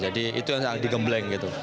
jadi itu yang digembleng gitu